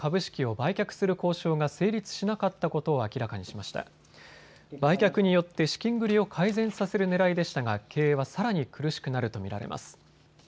売却によって資金繰りを改善させるねらいでしたが経営はさらに苦しくなると見られます。